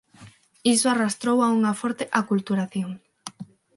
Iso arrastrou a unha forte aculturación.